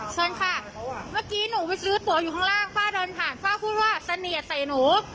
เชิญค่ะเมื่อกี้หนูไปซื้อตัวอยู่ข้างล่างป้าเดินผ่านป้าพูดว่าเสนียดใส่หนู